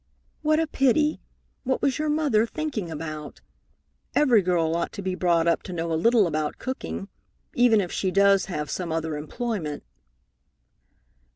"What a pity! What was your mother thinking about? Every girl ought to be brought up to know a little about cooking, even if she does have some other employment."